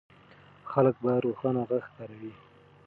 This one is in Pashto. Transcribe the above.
خلک به روښانه غږ کاروي.